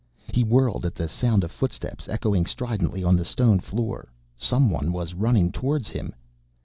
He whirled at the sound of footsteps, echoing stridently on the stone floor. Someone was running towards him.